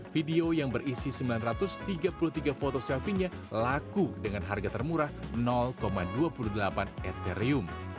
video yang berisi sembilan ratus tiga puluh tiga foto selfie nya laku dengan harga termurah dua puluh delapan ethereum